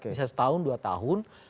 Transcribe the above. bisa setahun dua tahun